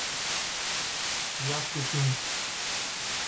医薬品